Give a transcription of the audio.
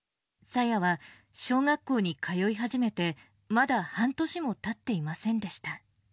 さやは小学校に通い始めてまだ半年もたっていませんでした。